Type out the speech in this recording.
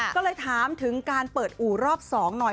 ก็เลยถามถึงการเปิดอู่รอบ๒หน่อย